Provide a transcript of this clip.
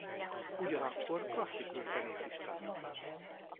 Ugyanakkor klasszikus zenét is tanult.